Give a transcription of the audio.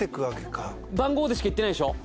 番号でしかいってないでしょ。